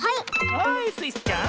はいスイちゃん。